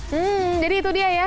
hmm jadi itu dia ya